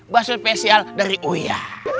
baso spesial dari uya